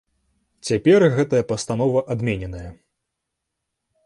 Цяпер гэтая пастанова адмененая.